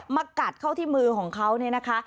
กัดเข้าที่มือของเขาเนี่ยนะคะ